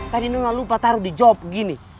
tadi nona lupa taruh di job gini